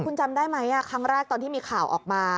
คุณจำได้ไหมครั้งแรกตอนที่มีข่าวออกมา